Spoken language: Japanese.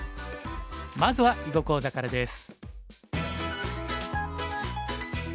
まずは囲碁講座からです。